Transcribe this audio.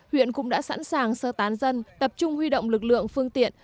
huyện cũng đã sẵn sàng sơ tán dân tập trung huy động lực lượng phương tiện